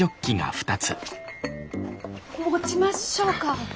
持ちましょうか。